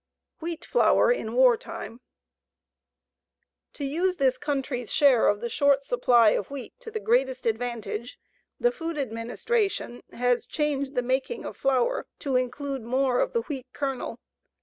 WHEAT FLOUR IN WAR TIME To use this country's share of the short supply of wheat to the greatest advantage the Food Administration has changed the making of flour to include more of the wheat kernel.